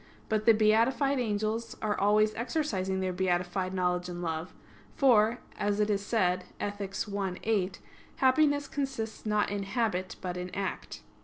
But the beatified angels are always exercising their beatified knowledge and love; for, as is said Ethic. i, 8, happiness consists not in habit, but in act.